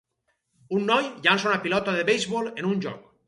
un noi llança una pilota de beisbol en un joc.